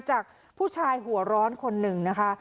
จากผู้ชายหัวร้อนคนหนึ่งนะคะ